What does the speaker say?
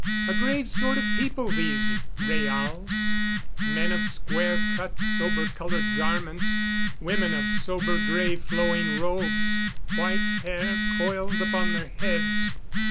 A grave sort of people, these Rhaals. Men of square cut, sober colored garments; women of sober grey flowing robes white hair coiled upon their heads.